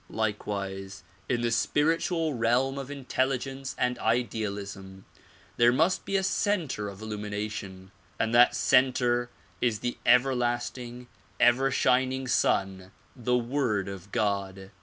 Likewise in the spiritual realm of intelligence and idealism there must be a center of illumination, and that center is the ever lasting, ever shining Sun, the Word of God.